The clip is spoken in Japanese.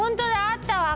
あったわ！